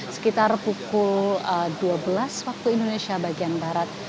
sekitar pukul dua belas waktu indonesia bagian barat